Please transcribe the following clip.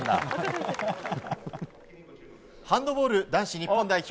ハンドボール男子日本代表。